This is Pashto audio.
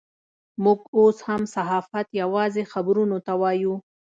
موږ اوس هم صحافت یوازې خبرونو ته وایو.